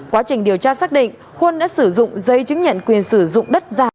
quá trình điều tra xác định huân đã sử dụng giấy chứng nhận quyền sử dụng đất giả